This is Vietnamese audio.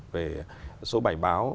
về số bài báo